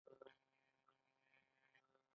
نور حقوق هم د هر فرد لپاره دي.